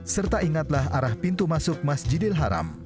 serta ingatlah arah pintu masuk masjidil haram